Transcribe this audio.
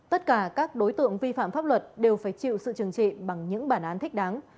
tất cả các đối tượng vi phạm pháp luật đều phải chịu sự trừng trị bằng những bản án thích đáng